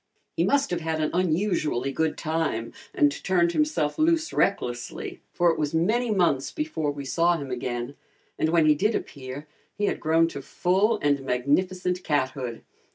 He must have had an unusually good time and turned himself loose recklessly, for it was many months before we saw him again, and when he did appear he had grown to full and magnificent cathood.